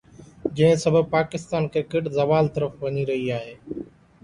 جنهن سبب پاڪستان ڪرڪيٽ زوال طرف وڃي رهي آهي.